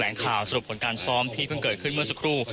ข่าวสรุปผลการซ้อมที่เพิ่งเกิดขึ้นเมื่อสักครู่